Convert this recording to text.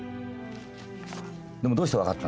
でもどうして分かったの？